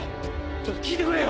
ちょっと聞いてくれよ！